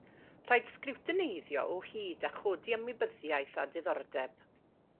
Rhaid sgriwtineiddio o hyd a chodi ymwybyddiaeth a diddordeb.